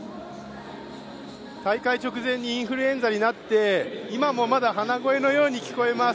大会直前にインフルエンザになって、今もまだ鼻声のように聞こえます。